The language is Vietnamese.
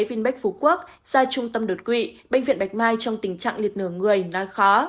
vinmec phú quốc gia trung tâm đột quỵ bệnh viện bạch mai trong tình trạng liệt nửa người nói khó